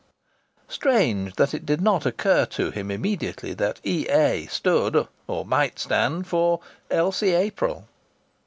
Strange that it did not occur to him immediately that E.A. stood, or might stand, for Elsie April!